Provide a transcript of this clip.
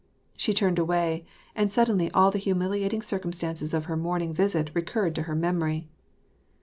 She turned away, and suddenly all the humiliat ing circumstances of her morning visit recurred to her memory.